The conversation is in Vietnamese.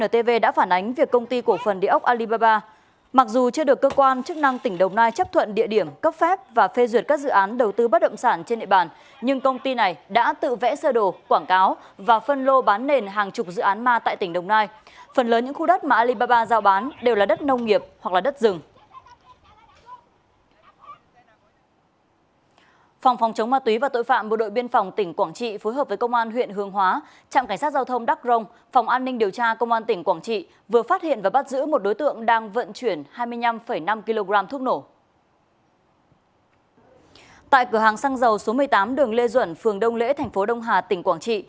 tại cửa hàng xăng dầu số một mươi tám đường lê duẩn phường đông lễ thành phố đông hà tỉnh quảng trị